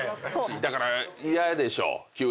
だから嫌でしょ。